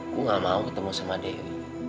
gue gak mau ketemu sama dewi